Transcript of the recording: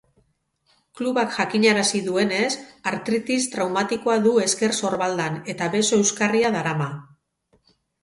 Klubak jakinarazi duenez, artritis traumatikoa du ezker sorbaldan eta beso-euskarria darama.